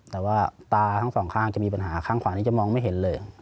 แต่ว่าตาทั้งสองข้างจะมีปัญหาข้างขวานี้จะมองไม่เห็นเลย